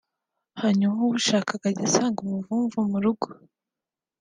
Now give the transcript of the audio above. hanyuma ubushaka akajya asanga umuvumvu mu rugo